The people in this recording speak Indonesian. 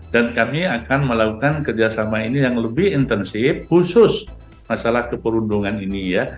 dan kami akan melakukan kerjasama ini yang lebih intensif khusus masalah keperundungan ini ya